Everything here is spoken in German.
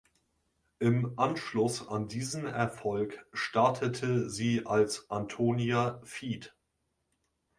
Im Anschluss an diesen Erfolg startete sie als "Antonia feat.